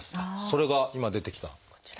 それが今出てきた。